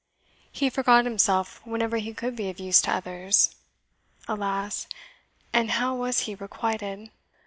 He forgot himself whenever he could be of use to others. Alas! and how was he requited?"